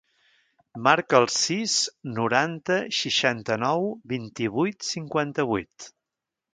Marca el sis, noranta, seixanta-nou, vint-i-vuit, cinquanta-vuit.